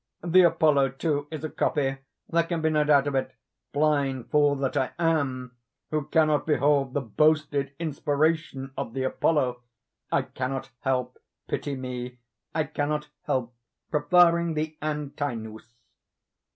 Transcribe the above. The Apollo, too, is a copy—there can be no doubt of it—blind fool that I am, who cannot behold the boasted inspiration of the Apollo! I cannot help—pity me!—I cannot help preferring the Antinous.